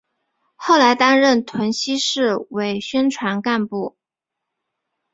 后来担任屯溪市委宣传部干部。